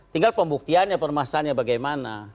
tinggal pembuktiannya permasanya bagaimana